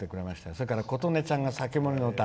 それから、琴音ちゃんが「防人の詩」。